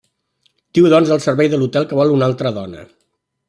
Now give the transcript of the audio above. Diu doncs al servei de l'hotel que vol una altra dona.